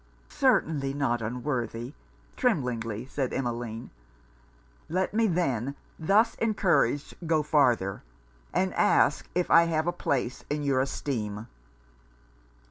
'Certainly not unworthy,' tremblingly said Emmeline. 'Let me then, thus encouraged, go farther and ask if I have a place in your esteem?'